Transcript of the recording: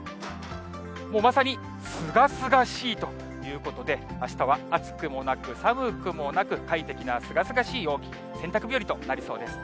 もうまさにすがすがしいということで、あしたは暑くもなく、寒くもなく、快適なすがすがしい陽気、洗濯日和となりそうです。